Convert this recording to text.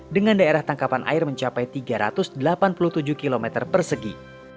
dengan daerah tangkapan air mencapai tiga ratus delapan puluh tujuh km persegi